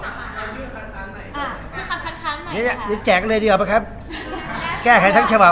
มันไปได้ไหมด้วยข้อจะจริงหรือเหตุผลทางกฎหมาย